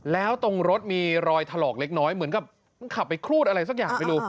แล้วตรงรถมีรอยถลอกเล็กน้อยเหมือนกับมันขับไปครูดอะไรสักอย่างไม่รู้